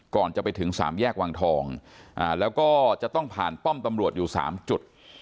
ก่อนจะไปถึงสามแยกวังทองแล้วก็จะต้องผ่านป้อมตำรวจอยู่๓จุด